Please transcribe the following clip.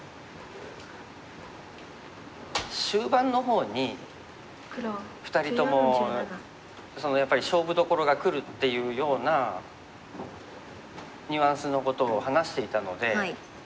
終盤の方に２人ともやっぱり勝負どころがくるっていうようなニュアンスのことを話していたので。